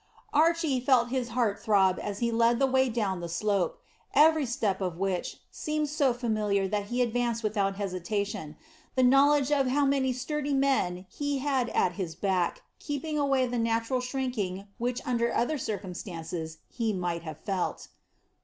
Archy felt his heart throb as he led the way down the slope, every step of which seemed so familiar that he advanced without hesitation, the knowledge of how many sturdy men he had at his back keeping away the natural shrinking which under other circumstances he might have felt.